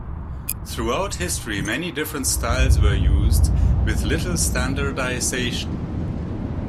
Throughout history, many different styles were used, with little standardization.